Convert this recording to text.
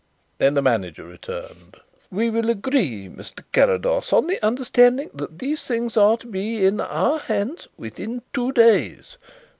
Then the manager returned. "We will agree, Mr. Carrados, on the understanding that these things are to be in our hands within two days.